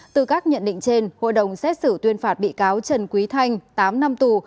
từ các nhận định trên hội đồng xét xử tuyên phạt bị cáo trần quý thanh tám năm tù